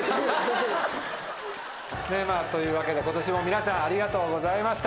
というわけで今年も皆さんありがとうございました。